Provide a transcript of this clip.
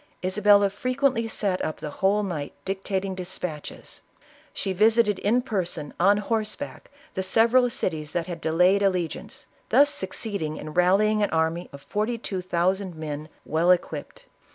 Isabella frequently sat up the whole night dictating despatches ; she visited in person, on horseback, the several cities that had delayed alle giance, thus succeeding in rallying an army of forty two thousand men, well equipped.